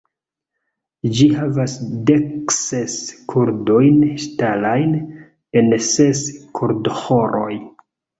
Ĝi havas dekses kordojn ŝtalajn en ses kordoĥoroj.